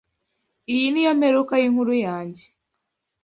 Iyi niyo mperuka yinkuru yanjye.